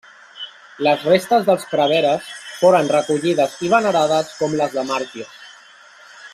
Les restes dels preveres foren recollides i venerades com les de màrtirs.